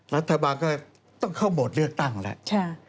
รัฐบาลก็ต้องเข้าโหมดเลือกตั้งแล้ว